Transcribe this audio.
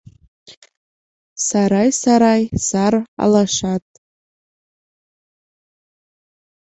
Сарай-сарай сар алашат